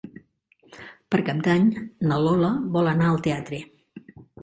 Per Cap d'Any na Lola vol anar al teatre.